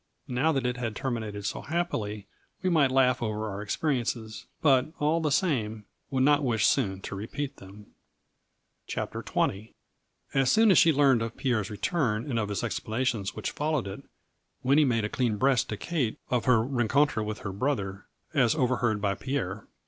Now that it had terminated so happily we might laugh over our experiences, but, all the same, would not wish soon to repeat them. 220 A FLURRY IN DIAMONDS. CHAPTER XX. As soon as she learned of Pierre's return and of his explanations which followed it, Winnie made a clean breast to Kate of her rencontre with her brother, as overheard by Pierre.